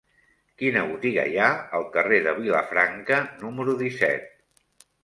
Quina botiga hi ha al carrer de Vilafranca número disset?